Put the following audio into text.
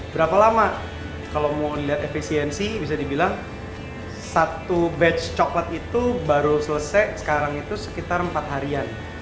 berapa lama kalau mau lihat efisiensi bisa dibilang satu batch coklat itu baru selesai sekarang itu sekitar empat harian